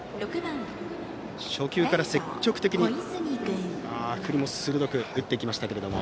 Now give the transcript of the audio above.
初球から積極的に振りも鋭く打ってきましたけども。